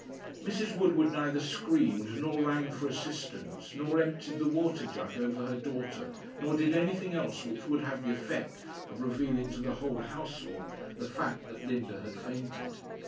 Mrs. Woodward neither screamed, nor rang for assistance, nor emptied the water jug over her daughter, nor did anything else which would have the effect of revealing to the whole household the fact that Linda had fainted.